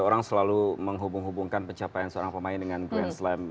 orang selalu menghubung hubungkan pencapaian seorang pemain dengan grand slam